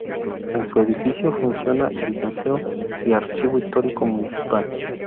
En su edificio funciona el Museo y Archivo Histórico Municipal.